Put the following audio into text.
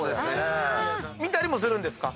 見たりもするんですか？